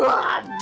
iya kan iya kan